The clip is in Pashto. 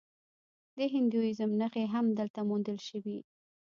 د هندویزم نښې هم دلته موندل شوي